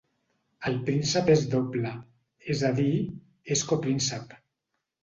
El príncep és doble, és a dir, és copríncep.